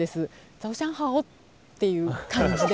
ザオシャンハオっていう感じで。